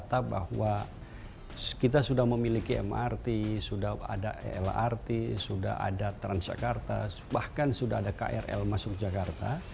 kita bahwa kita sudah memiliki mrt sudah ada lrt sudah ada transjakarta bahkan sudah ada krl masuk jakarta